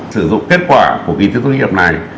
sử dụng kết quả của kỳ thi tốt nghiệp này